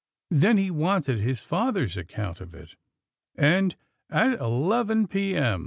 Then he wanted his father's account of it, and at eleven p. m.